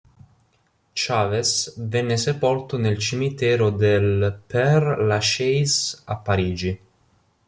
Chávez venne sepolto nel Cimitero del Père-Lachaise a Parigi.